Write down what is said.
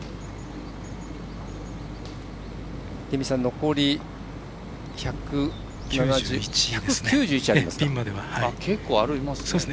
残り１９１ありますね。